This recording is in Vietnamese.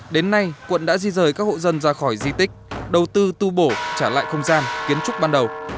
đến nay quận đã di rời các hộ dân ra khỏi di tích đầu tư tu bổ trả lại không gian kiến trúc ban đầu